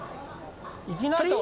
いきなり？